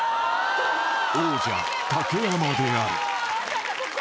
［王者竹山である］